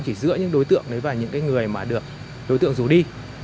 chỉ giữa những đối tượng và những người mà được đối tượng rủ đi